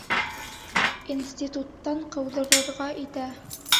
Институттан ҡыуҙырырға итә!